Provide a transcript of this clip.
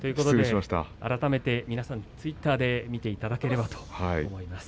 改めてツイッターで皆さん見ていただければと思います。